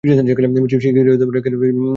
শিশিরে একপশলা বৃষ্টির মতো চারিদিক ভিজিয়া আছে।